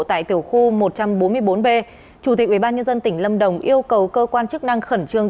tại tiểu khu một trăm bốn mươi bốn b chủ tịch ubnd tỉnh lâm đồng yêu cầu cơ quan chức năng khẩn trương